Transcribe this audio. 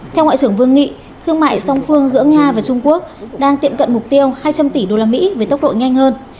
theo ngoại trưởng vương nghị thương mại song phương giữa nga và trung quốc đang tiệm cận mục tiêu hai trăm linh tỷ usd với tốc độ nhanh hơn